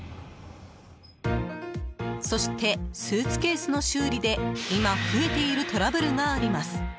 そして、スーツケースの修理で今増えているトラブルがあります。